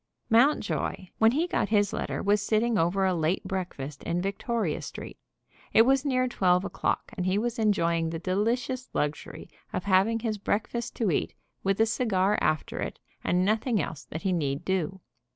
Mountjoy, when he got his letter, was sitting over a late breakfast in Victoria Street. It was near twelve o'clock, and he was enjoying the delicious luxury of having his breakfast to eat, with a cigar after it, and nothing else that he need do.